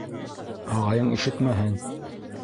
Ағайың ишетмәһен.